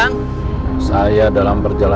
ini pesan dari kota bandung juara